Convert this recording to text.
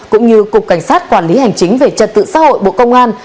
cũng như cục cảnh sát quản lý hành chính về trật tự xã hội bộ công an